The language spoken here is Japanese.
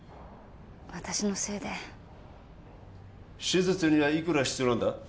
私のせいで手術にはいくら必要なんだ？